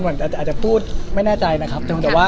แต่อาจพูดไม่แน่ใจครับ